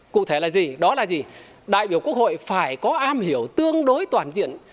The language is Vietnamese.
cụ thể là gì đó là gì đại biểu quốc hội phải có am hiểu tương đối toàn diện